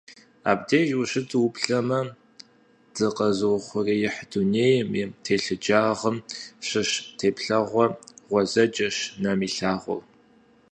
Абдеж ущыту уплъэмэ, дыкъэзыухъуреихь дунейм и телъыджагъым щыщ теплъэгъуэ гъуэзэджэщ нэм илъагъур.